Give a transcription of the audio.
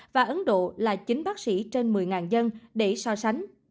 và ấn độ là chín bác sĩ trên một mươi dân để so sánh